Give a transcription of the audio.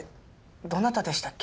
どなたでしたっけ？